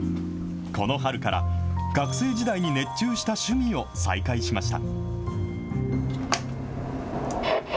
この春から、学生時代に熱中した趣味を再開しました。